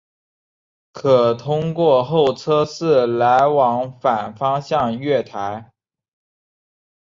可通过候车室来往反方向月台。